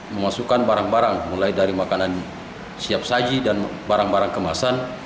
memasukkan barang barang mulai dari makanan siap saji dan barang barang kemasan